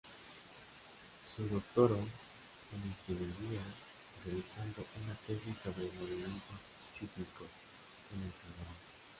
Se doctoró en Ingeniería, realizando una tesis sobre movimientos sísmicos en El Salvador.